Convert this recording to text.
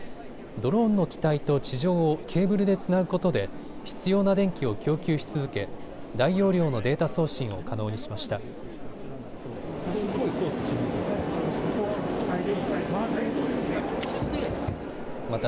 ドローンの機体と地上をケーブルでつなぐことで必要な電気を供給し続け大容量のデータ送信を可能にしました。